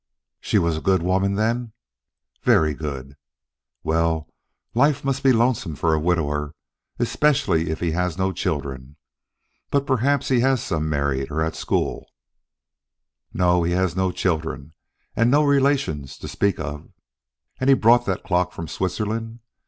"She was a good woman, then?" "Very good." "Well, life must be lonesome for a widower, especially if he has no children. But perhaps he has some married or at school?" "No, he has no children, and no relations, to speak of." "And he brought that clock from Switzerland?